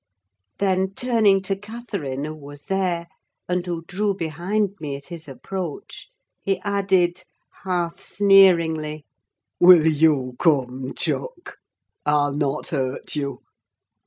Then turning to Catherine, who was there, and who drew behind me at his approach, he added, half sneeringly,—"Will you come, chuck? I'll not hurt you.